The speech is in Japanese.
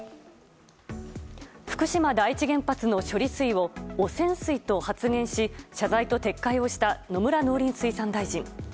福島第一原発の処理水を汚染水と発言し謝罪と撤回をした野村農林水産大臣。